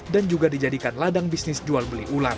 dan juga dijadikan ladang bisnis jual beli ular